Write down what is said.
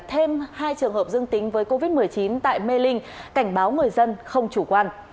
thêm hai trường hợp dương tính với covid một mươi chín tại mê linh cảnh báo người dân không chủ quan